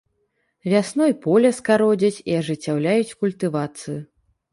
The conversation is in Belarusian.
Вясной поле скародзяць і ажыццяўляюць культывацыю.